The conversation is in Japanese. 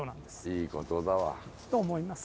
いいことだわ。と思います。